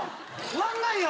終わんないよ。